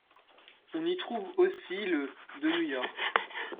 On y trouve aussi le de New York.